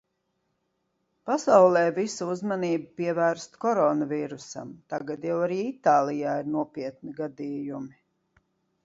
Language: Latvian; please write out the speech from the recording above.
Pasaulē visa uzmanība pievērsta Korona vīrusam. Tagad jau arī Itālijā ir nopietni gadījumi.